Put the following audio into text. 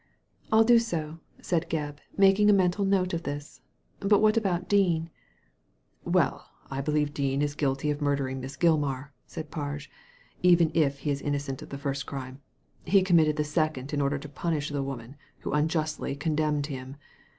'' I'll do so/' said Gebb, making a mental note of this. " But what about Dean ?"" Well, I believe that Dean is guilty of murdering Miss Gilmar/' said Parge, " even if he is innocent of the first crime. He committed the second in order to punish the woman who unjustly condemned him.